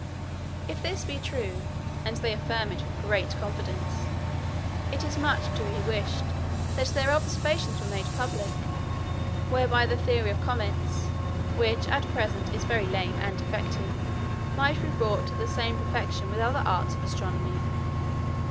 If this be true (and they affirm it with great confidence) it is much to be wished, that their observations were made public, whereby the theory of comets, which at present is very lame and defective, might be brought to the same perfection with other arts of astronomy.